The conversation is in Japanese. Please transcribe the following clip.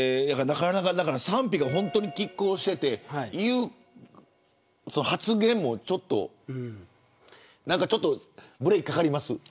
賛否が本当に拮抗していて発言もちょっとブレーキかかります。